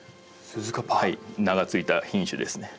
名が付いた品種ですね。